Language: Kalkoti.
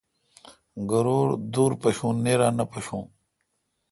گرور دور پشوں، نییرا نہ پݭوں۔